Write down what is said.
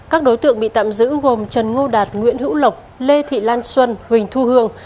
các đối tượng bị tạm giữ gồm trần ngô đạt nguyễn hữu lộc lê thị lan xuân huỳnh thu hương